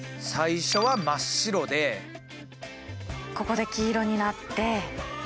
ここで黄色になって。